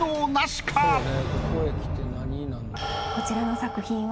こちらの作品は。